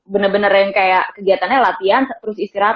bener bener yang kayak kegiatannya latihan terus istirahat